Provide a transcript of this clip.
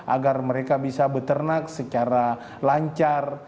agar mereka bisa beternak secara lancar